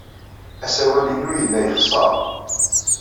Asawal-inu yella yexṣer.